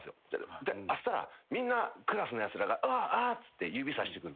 したらみんなクラスのやつらが「あっ」つって指さしてくる。